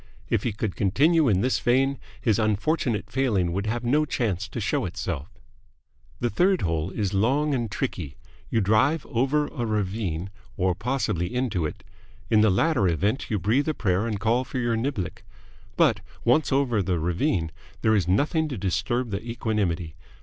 If he could continue in this vein, his unfortunate failing would have no chance to show itself. The third hole is long and tricky. You drive over a ravine or possibly into it. In the latter event you breathe a prayer and call for your niblick. But, once over the ravine, there is nothing to disturb the equanimity.